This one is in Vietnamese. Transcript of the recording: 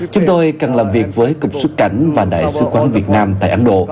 chúng tôi cần làm việc với cục xuất cảnh và đại sứ quán việt nam tại ấn độ